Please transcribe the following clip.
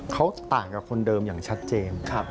เขาต่างกับคนเดิมอย่างชัดเจน